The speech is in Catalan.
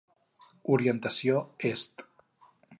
Orientació est.